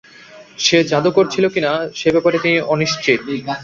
সে জাদুকর ছিল কি-না, সে ব্যাপারে তিনি অনিশ্চিত।